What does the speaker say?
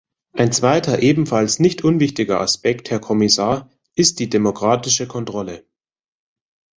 Ein zweiter, ebenfalls nicht unwichtiger Aspekt, Herr Kommissar, ist die demokratische Kontrolle.